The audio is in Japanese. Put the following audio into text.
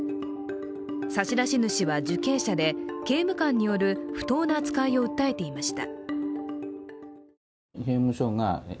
差し出し主は受刑者で、刑務官による不当な扱いを訴えていました。